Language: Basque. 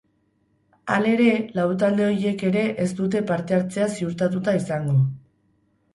Halere, lau talde horiek ere ez dute parte-hartzea ziurtatuta izango.